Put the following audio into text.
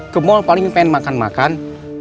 ke mal paling pengen makan makan